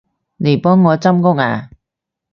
嚟幫我執屋吖